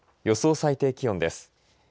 予想最低気温です。